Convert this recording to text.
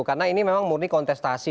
karena ini memang murni kontestasi